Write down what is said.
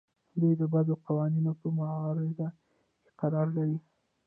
دوی د بدو قوانینو په معرض کې قرار لري.